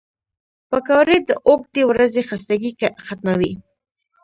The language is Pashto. پکورې د اوږدې ورځې خستګي ختموي